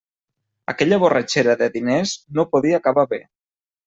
Aquella borratxera de diners no podia acabar bé.